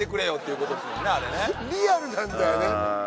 リアルなんだよね。